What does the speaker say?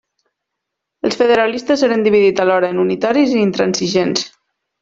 Els federalistes eren dividits alhora en unitaris i intransigents.